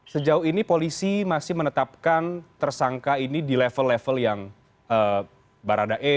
sejauh ini polisi masih menetapkan tersangka ini di level level yang baradae